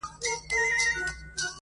ښه خواږه لکه ګلان داسي ښایسته وه,